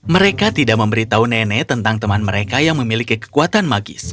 mereka tidak memberitahu nenek tentang teman mereka yang memiliki kekuatan magis